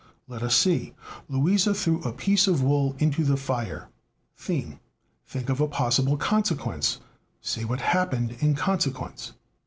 Let us see: "Luisa threw a piece of wool into the fire (theme). Think of a possible consequence, say what happened in consequence.